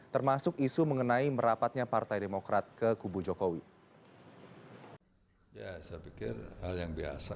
termasuk isu mengenai membangun kegiatan kepresidenan